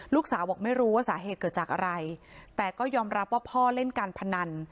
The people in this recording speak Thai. ลูกสาวบอกไม่รู้ว่าสาเหตุเกิดจากอะไรแต่ก็ยอมรับว่าพ่อเล่นการพนัน